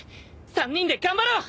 ３人で頑張ろう！